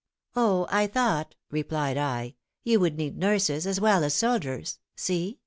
' "'Oh, I thought,' replied I, 'you would need nurses as well as soldiers. See!